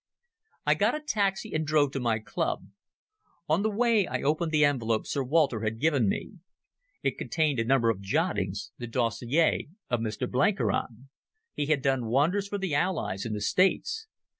I got a taxi and drove to my club. On the way I opened the envelope Sir Walter had given me. It contained a number of jottings, the dossier of Mr Blenkiron. He had done wonders for the Allies in the States.